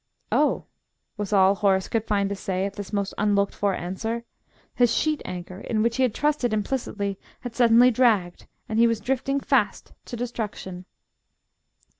"Oh!" was all Horace could find to say at this most unlooked for answer. His sheet anchor, in which he had trusted implicitly, had suddenly dragged and he was drifting fast to destruction.